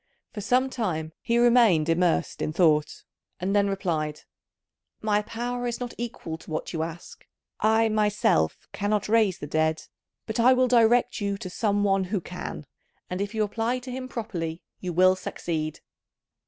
For some time he remained immersed in thought, and then replied, "My power is not equal to what you ask. I myself cannot raise the dead; but I will direct you to some one who can, and if you apply to him properly you will succeed."